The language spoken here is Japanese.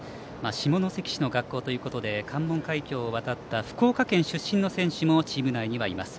下関市の学校ということで関門海峡を渡った福岡県出身の選手もチーム内にはいます。